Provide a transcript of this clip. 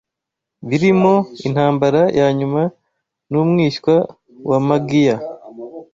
birimo "Intambara Yanyuma n’Umwishywa wa Magiya"